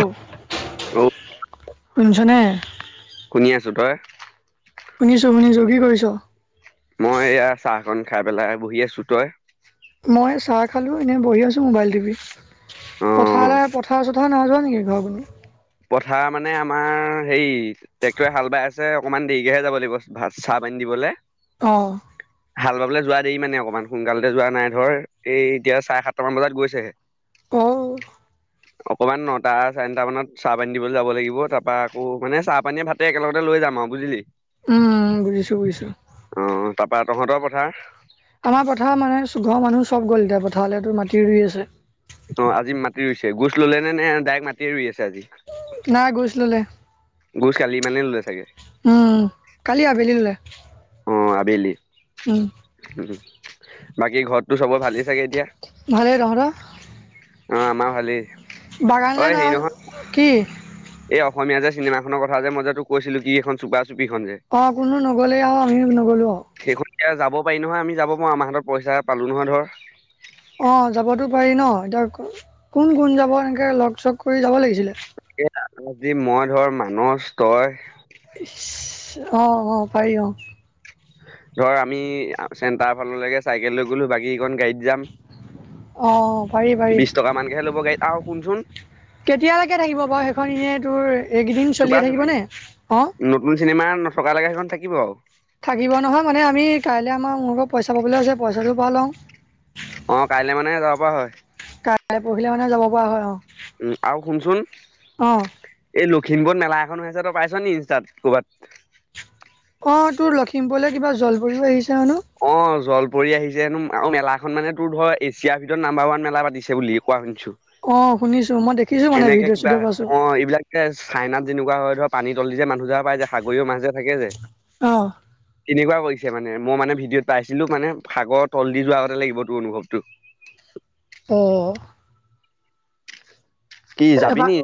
ও অ' শুনিছেনে। শুনি আছো তই। শুনিছো - শুনিছো কি কৰিছ? মই এয়া চাহকন খাই পেলাই বহি আছো তই। মই চাহ খালো এনেই বহি আছো মোবাইল টিপি অ' পথাৰে পথাৰে তহ না যোৱা নেকি ঘৰখনলে পথাৰ মানে আমাৰ হেৰি ট্ৰেক্টৰে হাল বাই আছে অকনমান দেৰিকেহে যাব লাগিব ভাত চাহ পানী দিবলৈ। অ', হাল বাবলৈ যোৱা দেই মানে অকমান সোনকালতে যোৱা নাই ধৰ এই এতিয়া চাৰে সাতটামান বজাত গৈছেহে। অহ', অকমান নটা চাৰে নটা মানত চাহ পানী দিবলৈ যাব লাগিব তাৰ পৰা আকৌ মানে চাহ পানীয়ে ভাতে একেলগতে লৈ যাম আৰু বুজিলি। উম, বুজিছো - বুজিছো। অ' তাৰপা তহতৰ কথা। আমাৰ পথাৰ মানে চুখৰ মানুহ চব গ'ল এতিয়া পথাৰলেতো মাটি ৰুই আছে। অ আজি মাটি ৰুইছে গোজ ললে নে নে ডাইৰেক্ট মাটি ৰুই আছে আজি নাই গোজ ললে গোছ কালি মানে ললে চাগে উম কালি আবেলি ললে বেলি উম উ বাকী ঘৰতটো চবৰে ভালেই চাগে এতিয়া ভালে তহঁতৰ অ আমাৰ ভালি বাগান ল ন কি এই অসমীয়া যে চিনেমাখনৰ কথা যে মই যে তোক কৈছিলো কি এখন চুপা ুখন যে অ' কোনো নগ'লেই আৰু আমিও নগ'লো আৰু। সেইখন যেয়া যাব পাৰি নহয় আমি যাব পাৰো আমাৰাহত পইচা পালো নহয় ধৰ অ যাবতো পাৰি ন এতিয়া কোন কোন যাব এনেকে লগ চ কৰি যাব লাগিছিলে আ যি মই ধৰ মানুহ তই আহ আহ পাৰি অ ধৰ আমি চেটাৰ ফাললৈকে চাইকেল লৈ গলো বাকীকণ গাড়ীত যাম অ' পাৰি পাৰি বিশ টকা মানকেহে ল'ব গাড়ী আৰু কোনচোন কেতিয়ালৈকে থাকিব বাৰু সেইখন এনেই তোৰ এইকেইদিন চুপা চলিয়ে চুপি থাকিবনে অঁ নতুন চিনেমা নথকালৈকে সেইখন থাকিব আৰু থাকিব নহয় মানে আমি কাইলৈ আমাৰ মোৰ লগত পইচা পাবলৈ আছে পইচাটো পাল লওঁ অ কাইলৈ মানে যাব পৰা হয় কাইলৈ পঢহিলে মানে যাব পৰা হয় অ উম আৰু শুনচোন অ' এই লক্ষ কিনবৰ্ড মেলা এখন আছে তই পাইছ নি ইনষ্টাত কৰ'ৰবাত অ তোৰ লখিমপুৰলৈ কিবা জলব পৰিও আহিছে হেনো অ জল পৰি আহিছে এ আৰু মেলাখন মানে তোৰ ধৰ এছিয়াৰ ভিতৰত নাম্বাৰ ওৱান মেলা পাতিছে বুলি কোৱা শুনিছো অ' শুনিছোঁ মই দেখিছোঁ মানে এনেকে ভিডিঅ' কিবা চিডিঅ' পাইছোঁ অ এইবিলাক যে চাইনাত যেনেকুৱা ক হয় ধৰ পানী তল দি যে মানুহজাহ পায় যে সাগৰিীয় মাছ যে থাকে যে অ' তেনেকুৱা কৰি মানে মই মানে ভিডিঅ'ত পাইছিলো মানে সাগৰ তল দি যোৱাগতে লাগিব তোৰ অনুভৱটো ত কি যাবি এবাৰ নিৈ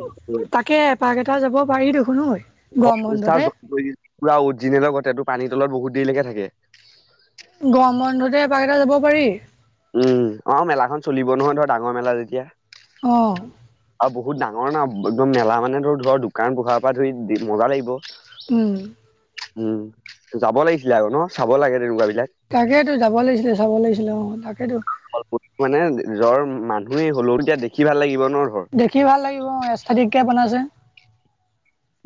তাকে এপাক এটা যাব পাৰি দেখোন ঐ ঘ গৰম বন্ধতে কৰি দি পুৰা উজ্জিনেল ঘতেটো পানীৰ তলত বহুত দেৰিলৈকে থাকে গম বন্ধতে এপাকেইটা যাব পাৰি উম অ মেলাখন চলিব নহয় ধৰ ডাঙৰ মেলা যেতিয়া অঁ আৰু বহুত ডাঙৰ না একদম মেলা মানে ধ ধৰ দোকান পোহাৰ পৰা ধৰি মজা লাগিব হম উম যাব লাগিছিলে আ ন চাব লাগে তেনেকুৱা বিলাক তাকেইেতো যাব লাগিছিলে চাব লাগিছিলে অ তাকেতো মানে জ্বৰ মানুহে হলও তেতিয়া দেখি ভাল লাগিব ন ধৰ দেখি ভাল লাগিব অ ক বন আছে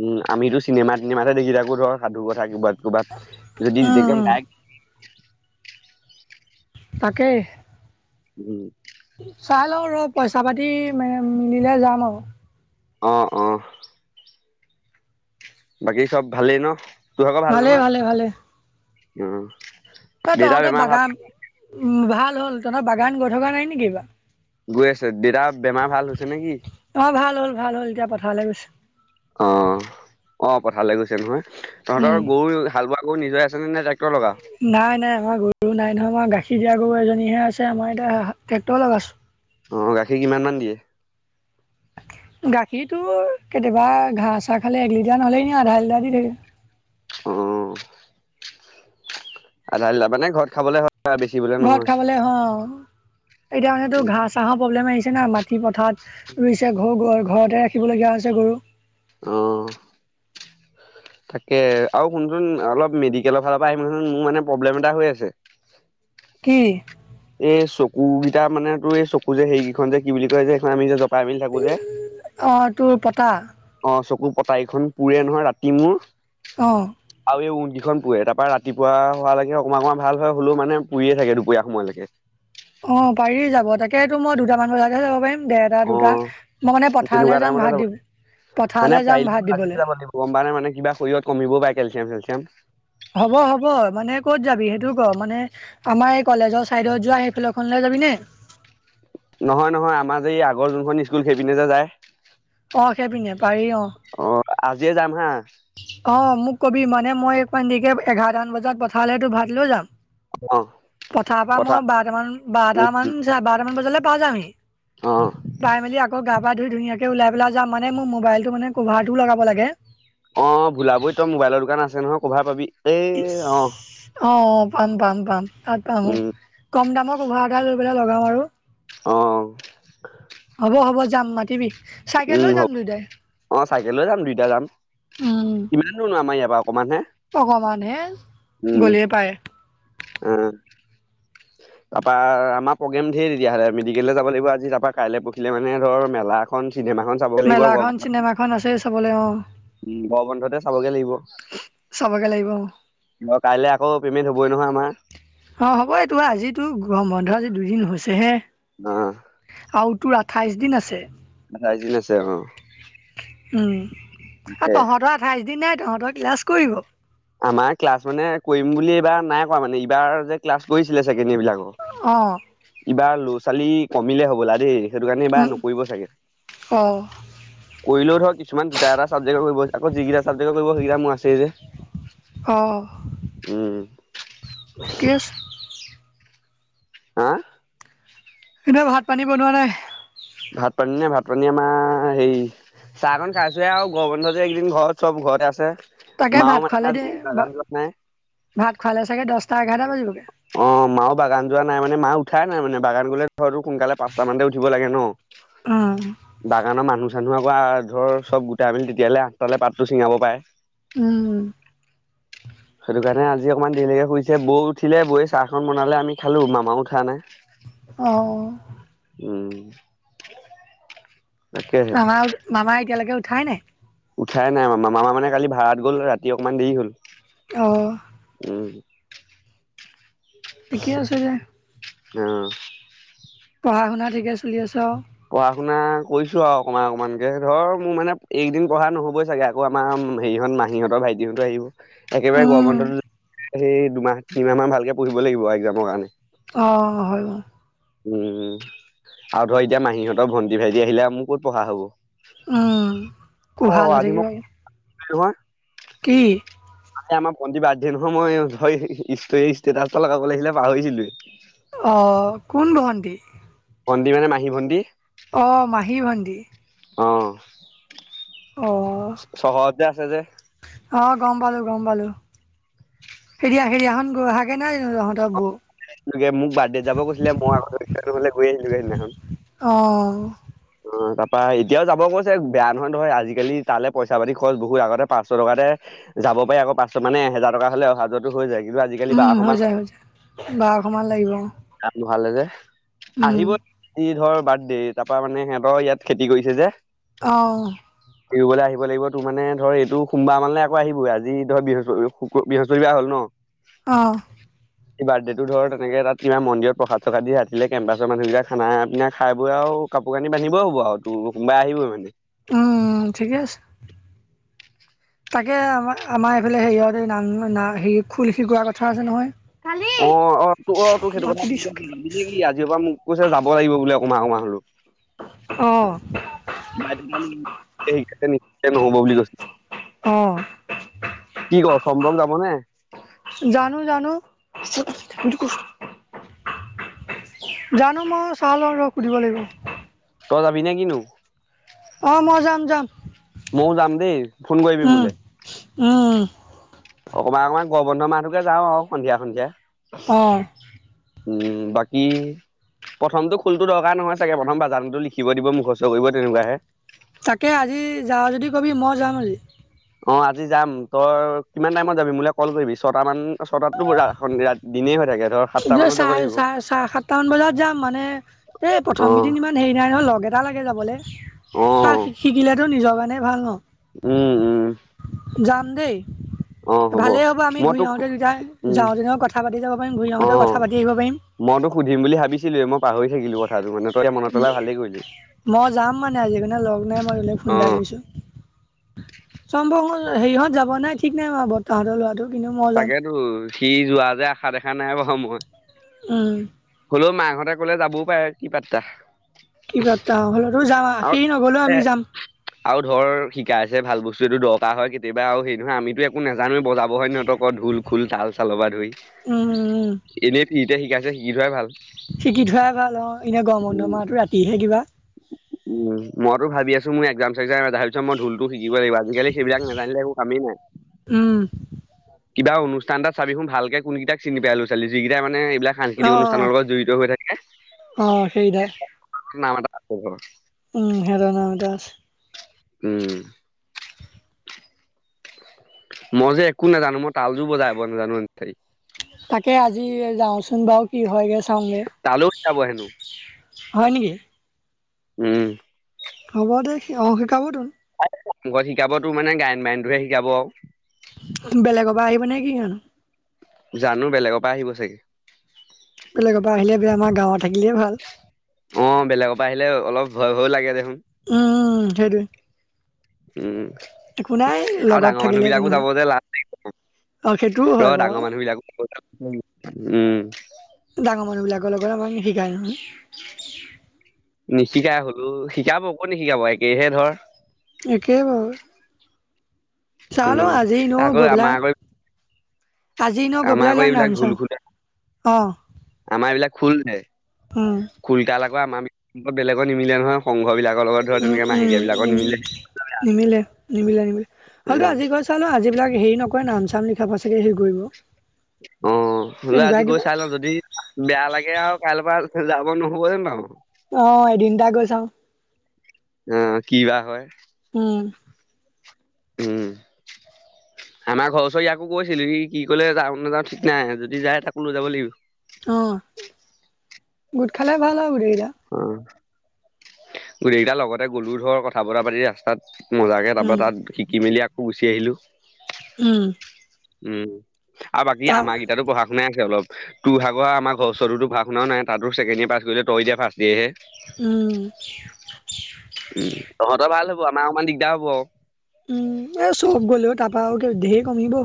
উম আমিতো চিনেমা িমাতে দেখি থাকো ধৰ সাধু কথা কিবা য দ দেদম উম, গক তাকে উম চাই লওঁ ৰ পইচা পাতি মানে মিলিলে যাম আৰু আহ অ বাকী চব ভালেই ন তোৰভাগৰ ভাল ভালে নহয় ভালে ভালে অ ত দেউতাৰ তহঁতৰ বেমাৰ ভাল বাগান উ ভাল হ'ল তহঁত বাগান গৈ থকা নাই নেকিিবা গৈ আছে দেতাৰ বেমাৰ ভাল হৈছে নেকি। অ' ভাল হ'ল- ভাল হ'ল এতিয়া পঠাৰলৈ গৈছে। অ'- অ', পথাৰলৈ গৈছে নহয়। তহঁতৰ উম, গৰু হাল বোৱা গৰু নিজৰে আছেনে নে ট্ৰেক্টৰ লগা। এ আমাৰ গাখীৰ দিয়া গৰু এজনীহে আছে আমাৰ এতিয়া ট্ৰেক্টৰ লগাইছো। অ' গাখীৰ কিমান মান দিয়ে। [inaudible] গাখীৰটো কেতিয়াবা ঘাঁহ চাহ খালে এক লিটাৰ নহ'লে এনে আধা লিটাৰ দি থাকে। অ'। আধা লিটাৰ মানে ঘৰত খাবলে হ ঘৰত খাবলে হয়, এতিয়া মানেটো ঘাঁহ চাহৰ প্ৰব্লেম আহিছে ন মাটি পথাৰত। ৰুইছে ঘৰু ঘৰতে ৰাখিবলগীয়া হৈছে গৰু। অ'। তাকে আৰু শুনচোন অলপ মেডিকেলৰ ফালৰ পৰা আহিম চোন মোৰ মানে প্ৰব্লেম এটা হৈ আছে। [inaudible] কি? এই চকু কেইটা মানে, তোৰ এই চকু যে হেৰিকেইখন যে কি বুলি কয় যে এইখন আমি যে জপ অ' তোৰ পতা। অ' চকুৰ পটাকেইখন পুৰে নহয় ৰাতি মোৰ। অ'। আৰু এই উটকেইখন পুৰে, তাৰপৰা ৰাতিপুৱা হোৱা লৈকে অকণমান-অকণমান ভাল হয়, হ'লেও মানে পুৰি এ থাকে দুপৰীয়া সময়লৈকে। তাকেটো মই দুটামান বজাতে যাব পাৰিম, দেৰটা অ দুটা মই মানে পথাৰলৈ তেনেকুৱা যাম টাইমতে ভাত যাব দিম। মানে পাৰিলে আজি যাব লাগিব মানে-মানে কিবা শৰীৰত কমিবও পাৰে কেলচিয়াম চেলচিয়াম। হ'ব- হ'ব মানে ক'ত যাবি সেইটো ক, মানে আমাৰ এই কলেজৰ চাইডত যোৱা সেইফাল খনলে য যাবি নে। নহয়-নহয় আমাৰ যে এই আগৰ যোনখন স্কুল সেইপিনে যে যায়। অ' সেইপিনে পাৰি অ'। আজিয়েই যাম হা। অ' মোক কবি মানে মই অকমান দেৰিকে এঘাৰটান বজাত পঠালে তোৰ ভাত লৈ যাম। অ পথাৰ পৰা পঠা মই উম বাৰটামান-বাৰটামান চা বাৰটামান বজালে পায় যামহি। অ পাই মেলি আকৌ, গা পা ধুই ধুনীয়াকে ওলাই পেলাই যোৱা মানে, মোৰ মোবাইলটো মানে কভাৰটো লগাব লাগে। অ', ভোলাবই তই মোবাইলৰ দোকান আছে নহয় কভাৰ পাবি। এই ইচ, অ অ' পাম, পাম- পাম তাত পাম অ', উম কম দামত কভাৰ এটা লৈ পেলাই লগাও আৰু। অ'। হ'ব- হ'ব যাম মাতিবি, চাইকেল উম লৈ যাম হ'ব দুইটাই। অ' চাইকেল লৈ যাম, দুইটা যাম। উম কিমাননো ন আমাৰ ইয়াৰ পৰা অকমান হে, উম। গলিয়ে পায় উম। তাৰপৰা, আমাৰ প্ৰগ্ৰেম ধেৰ তেতিয়াহ'লে মেডিকেললে যাব লাগিব আজি তাৰপৰা কাইলৈ পৰখিলে মানে ধৰ মেলা এখন চিনেমা খন চাব লাগিব আকৌ মেলাখন [unintelligible] চিনেমাখন আছে চাবলৈ অ উম, গৰম বন্ধতে চাবগে লাগিব। চাবগে লাগিব অ। মই কাইলৈ আকৌ পেইমেন্ট হ'বই নহয় আমাৰ। অ' হ'বটো, আজিতো গৰম বন্ধ আজি দুদিন হৈছে হে। অ আৰু তোৰ আঠাইচ দিন আছে। উম, আঠাইছ দিন আছে অ আৰু তাকে তহঁতৰ আঠাইচ দিন তহঁতৰ ক্লাছ কৰিব। আমাৰ ক্লাছ মানে, কৰিম বুলি এইবাৰ নাই কোৱা মানে এইবাৰ যে ক্লাছ কৰিছিলে চাগ [unintelligible] বিলাকক অ', ইবাৰ ল'ৰা ছোৱালী কমিলে হ'বলা দেই। সেইটো কাৰণে এইবাৰ উম নকৰিব চাগে। অ কৰিলেও ধৰ কিছুমান দুটা এটা ছাবজেক্ট কৰিব আকৌ যিকেইটা ছাবজেক্ট কৰিব সেইকেইটা মোৰ আছেই যে। অ', উম ঠিকে আছে। হা। এনে ভাত পানী বনোৱা নাই? ভাত পানী না ভাত পানী আমাৰ সেই চাহ খন খাইছোৱে আৰু গৰম বন্ধ যে এইকেইদিন ঘৰত চব ঘৰতে আছে। তাকে মাও ভাত মানে খোৱালে দে আজি বাগান [unintelligible] নাই। ভাত খোৱালে চাগে দহটা এঘাৰটা বাজিবগে অ', মাও বাগান যোৱা নাই মানে মা উঠাই নাই মানে বাগান গ'লে ঘৰো সোনকালে পাঁচটা মানতে উঠিব লাগে ন উম বাগানৰ মানুহ মানুহৰ পৰা ধৰ চব গোটাই মেলি তেতিয়া হ'লে আঠটালে পাতটো ছিঙাব পাৰে উম সেইটো কাৰণে আজি অকনমান দেৰিলৈকে শুইছে বৌ উঠিলে বৌয়ে চাহখন বনালে আমি খালো মামাও উঠা নাই অ', উম তাকেহে আমাৰ মামা এতিয়ালৈকে উঠাই নাই? উঠাই নাই মামা মানে কালি ভাড়াত গ'ল ৰাতি অকমান দেৰি হ'ল অ উম। ঠিকে আছে দে। অ', পঢ়া শুনা ঠিকে চলি আছ অ', পঢ়া শুনা কৰিছো আৰু অকমান অকমানকে ধৰ মোৰ মানে একদিন পঢ়া নহ'বই চাগে আকৌ আমাৰ হেৰিহত মাহীহঁতৰ ভাইটিহতো আহিব। একেবাৰে গৰম উম বন্ধতো সেই দুমাহ তিনিমাহ মান ভালকে পঢ়িব লাগিব একজামৰ কাৰণে অ', হয় উম আৰু ধৰ এতিয়া মাহীহঁতৰ ভণ্টি ভাইটি আহিলে মোৰ কত পঢ়া হ'ব। খুব ভাল হৈ থাকিব কিহৰ কি? আমাৰ ভণ্টি বাৰ্থডে নহয় মই ষ্টেটাচ লগাবলৈ আহিলে পাহৰিছিলোয়ে। অ', কোন ভন্টি? ভণ্টি মানে মাহী ভণ্টী অ', মাহী ভন্টি। অ', অ', চহৰত যে আছে যে -অ', গম পালো গম পালো [unintelligible] নাই জানো তহঁতৰ বৌ এনেকে মোক বাৰ্থডে যাব কৈছিলে মই আহোতে গৈ আহিলো সেইদিনাখন। অ', অ', তাৰপা এতিয়াও যাব কৈছে বেয়া নহয়-নহয় আজিকালি তালৈ পইচা পাতি খৰচ বহুত আগতে পাঁচশ টকাতে যাব পাৰি আকৌ পাচশ মানে এহেজাৰ টকা হ'লে অহা যোৱাতো হৈ যায় কিন্তু আজিকালি বা অসমত বাৰশমান লাগিব ভালে যে উম আহিব ইহ ধৰ বাৰ্থডে তাৰ পৰা মানে সিহঁতৰ ইয়াত খেতি কৰিছে যে, অ', এৰিবলৈ আহিব লাগিব তোৰ মানে ধৰ এইটো সোমবাৰ মানে আকৌ আহিবই আজি ধৰ বৃহস্পতি বৃহস্পতিবাৰ হ'ল ন' অ', এই বাৰ্থডে টো ধৰ তেনেকে তাত কিবা মন্দিৰত প্ৰসাদ চসাদ দি ৰাতিলে কেম্পাছৰ মানুহকেইটা খানা পিনা খাই বৈ আৰু কাপোৰ কানি বান্ধিবও হ'ব আৰু তোৰ [unintelligible] আহিব মানে উম ঠিকে আছে। তাকে আম আমাৰ এইফালে হেৰিয়ত এই ন হেৰি খোল শিকোৱাৰ কথা আছে নহয়। কালি অ - অ তোৰ অ, তোৰ সেইটো মাতি দিছো কথাে কেলে কি আজিৰ পৰা মোক কৈছে যাব লাগিব বুল অকমমান- অকণমান। অ', বাই শিকছে নিশ্চে নহ'ব বুলি কৈছে। অ', কি ক সম্ভৱ যাম নে? জানো - জানো। জানো মই [unintelligible] সুধিব লাগিব। তই যাবি নে কিনো? অ, মই যাম - যাম। মই যাম দেই ফোন কৰিবি মুলে। অ', অকণমান - অকণমান গৰবন্ধ মাহোকে যাও আৰু সন্ধিয়া - সন্ধিয়া। অ', উম, বাকী? প্ৰথমতটো খুলটো দৰকাৰ নহয় চাগে প্ৰথম বাজানতো লিখিব দিব মুখচ কৰিব তেনেকুৱাহে তাকে আজি যাৱ যদি কবি মই যাও নি [unintelligible] অ, আজি যাম তই কিমান টাইমত যাবি মোলে কল কৰিবি ছতামান মান ছটাততো দিনেই হৈ থাকে। ধৰ সাতটা এইন্ত মানত যাব চ- লাগিব চ - চ সাতটামান বজাত যাম মানে এই অ প্ৰথম কেইদিন ইমান হেৰি নাই নহ লগে [unintelligible] নালাগে যাবলৈ অ বাাক শিকিলেতো নিজৰ কাৰণে ভাল ন? উম - উম। যাম দেই। [inaudible] ভালেই হ'ব আমি মই ঘূৰি তোক আহওতে দুইটাই উম যাওতেনেও কথা পাতি যাব পাৰিম ঘূৰি আহওতেও কথা পাতি আহিব পাৰিম। মইতো সুধি বুলি ভাবিছিলুৱে মই পাহৰি থাকিলো কথাটো মানে তই মনত পেলাই ভালেই কৰিলি। মই যাম মানে আজিৰ কণনে লগ নাই মই [unintelligible] ফুোন অ এটা কৰিছো সেৰিহত যাব নাই ঠিক নাই ম আৰু বৰ তাহতৰ লৰাটো। কিন্তু মই যাম তাকেতো সি যোৱা যে আশা দেখা নাই বাৰু মই। হম, হ'লেও মাকহতে ক'লে যাবও পাৰে কি পাত্তা। কি পাত্তা হলেতো যাম আৰু খীৰ নগলেওটো এ আমি যাম। আৰু ধৰ শিকাইছে ভাল বস্তু এইটো দৰকাৰ হয় কেতিয়াবা আৰু সেই নহয় আমিতো একো নাজানো বজাব হয়। ধুল, খোল, তাল চালবা ধৰি উম উম, এনেই ফ্ৰীটে শিকাইছে শিকি ধোৱাই ভাল। শিকি থোৱাই ভাল অ, এনে গৰমন্ধ মাহটো ৰাতিহে কিবা। উ [inaudible] উম, মই টো ভাবি আছো ম একজাম চে্জাম তাৰ পিছ মই ধুলটো শিকিব লাগিব আজিকালি সেইবাক নাজানিলে একো কামেই নাই ম উম, কিবা অনুষ্ঠান তাত চাবিচুন ভালকে কোন কুনকিতা চিনিাই [unintelligible] ছোৱালী যেকিতা মানে বিলাক অ সাংস্কৃতিক অনুষ্ঠানৰ লগত জড়িত হৈ থাকে অ সেইদা নাম। উম, হেৰণ। উম, মই যে একো নাজানো মই তালজোৰ বজাই ব নাজানো। তাকে আজি যাওচোন বাৰু কি হয় গৈ চাও গে তালৈও শিকাব হেনো হয় নেকি? উম, হ'ব দে অ, শিকাব তো মু ঘৰত শিকাব তোৰ মানে গায়ন বায়নটোহে শিকাব বেলেগৰ [unintelligible] জানো বেলেগৰ পৰা আহিব চাগে। বেলেগৰ পৰা আহিলে আমাৰ গাৱত থাকিলে ভাল। অ, বেলেগৰ পৰা আহিলে অলপ ভয় - ভয় লাগে দেখোন। উম, সেইটোৱে। উম, একো নাই আৰু লগত ডাঙৰ থাকিলে মানুহ একো বিলাকো নহয় যাব যে লাজ আৰু সেইটোও লাগিছে ৰ হয় বাৰু ডাঙৰ মানুহ বিলাকো [unintelligible] উম। ডাঙৰ মানুহবিলাকৰ লগত আমাক নিশিকায় নহয়। নিশিকাই হলেওঁ শিকাব কত নিশিকাব একেহে ধৰ। একে বাৰু। উম চালো আজি এনেও আকৌ গৈ আমাৰ পেলাই। আকৌ আজি এনেও গৈ আমাৰ পেলাই আকৌ এইবিলাক ঢোল খোল [unintelligible] অ'। আমাৰ এইবিলাক খুল হে, উম খুলতাৰ আকৌ আমাৰ বেলেগৰ নিমিলে নহয় সং উম, উম, উম। নিমিলে, নিমিলে, নিমিলে হলেতো আজি [unintelligible] ন আজি বিলাক হেৰি ন কয় নাম-চাম লিখাব চাকে হেৰি কৰিব। অ', হলে আজি তেনেকুৱাই গৈ কিবা চাই লওঁ যদি বেয়া লাগে আৰু কাইলৈৰ পৰা যাব [unintelligible] আৰু। অ এদিন এটা গৈ চাওঁ অ', কি বা হয়। উম। উম। আমাৰ ঘৰ ওচৰৰ ইয়াকো কৈছিল ই কি কলে যাওঁ নাযাওঁ ঠিক নাই যদি যায় তাকো লৈ যাব লাগিব। অ', গোট খালে ভাল হব দে অ', গোটেইকেইটাৰ লগতে গলু ধৰ কথা বতৰা পাতি ৰাস্তাত মজাকৈ উম তাৰপৰা তাত শিকি মেলি আকৌ গুচি আহিলোঁ। উম। উম আৰু বাকী তা আমাৰ গেইটাতো পঢ়া শুনাই। অলপ তোৰ ভাগৰ আমাৰ ঘৰ ওচৰৰ টোৰ পঢ়া-শুনাও নাই তাত তোৰ ছেকেণ্ড ইয়েৰ পাছ কৰিলে তই এতিয়া ফাৰ্ষ্ট ইয়েৰ হে। উম উম, তহঁতৰ ভাল হব আমাৰ অকমান দিগদাৰ হব আৰু। উম, এ চব গ'লেও তাৰপৰাও ঢেৰ কমিব।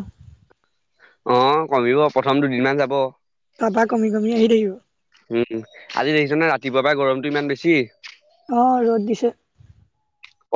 অ', কমিব প্ৰথম দুদিনমান যাব। তাৰপা কমি কমি আহি থাকিব। উম, আজি দেখিছো নহয় ৰাতিপুৱাৰ পৰাই গৰমটো ইমান বেছি। অ', ৰ'দ দিছে।